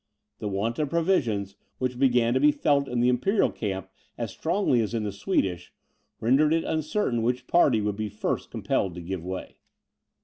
The want of provisions, which began to be felt in the Imperial camp as strongly as in the Swedish, rendered it uncertain which party would be first compelled to give way.